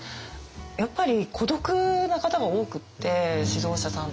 やっぱり孤独な方が多くって指導者さんとかリーダーって。